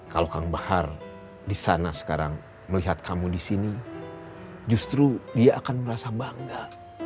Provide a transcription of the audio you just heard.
kalau kang bahar di sana sekarang melihat kamu di sini justru dia akan merasa bangga